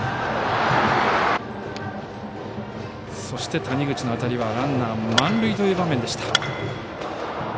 そして谷口の当たりはランナー満塁という場面でした。